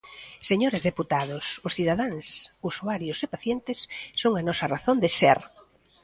Señores deputados, os cidadáns usuarios e pacientes son a nosa razón de ser.